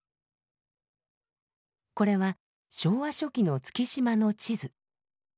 これは昭和初期の月島の地図。